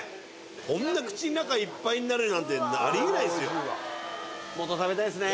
こんな口んなかいっぱいになるなんてありえないですよね